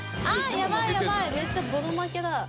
ヤバイめっちゃボロ負けだ。